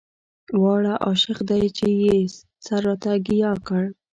واړه عشق دی چې يې سر راته ګياه کړ